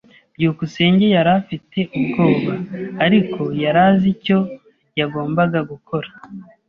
byukusenge yari afite ubwoba, ariko yari azi icyo yagombaga gukora.